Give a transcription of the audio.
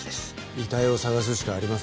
遺体を捜すしかありません。